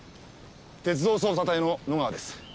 鉄道捜査隊の野川です。